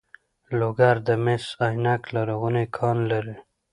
لوګر د مس عینک لرغونی کان لري